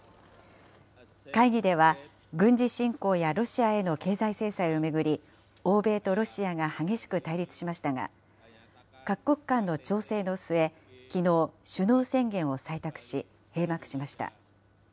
会議では軍事侵攻やロシアへの経済制裁を巡り、欧米とロシアが激しく対立しましたが、各国間の調整の末、きのう、首脳宣言を採択し、閉幕しました。